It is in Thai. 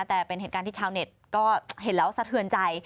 แต่เป็นเหตุการณ์ที่ชาวเน็ตก็เห็นแล้วสะเทือนใจ